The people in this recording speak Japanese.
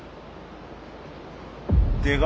でか。